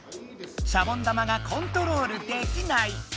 シャボン玉がコントロールできない。